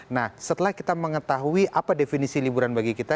nah setelah kita mengetahui apa definisi liburan bagi kita